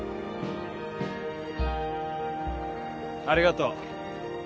ありがとう。